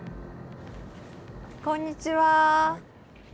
こんにちは。